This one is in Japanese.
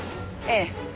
ええ。